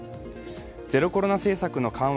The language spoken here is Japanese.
ゼロコロナ政策の緩和